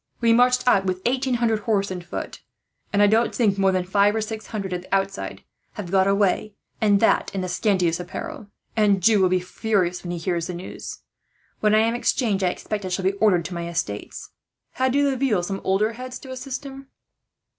We marched out with eighteen hundred men, horse and foot; and I don't think more than five or six hundred, at the outside, have got away and that in the scantiest apparel. "Anjou will be furious, when he hears the news. When I am exchanged, I expect I shall be ordered to my estates. Had De Laville some older heads to assist him?"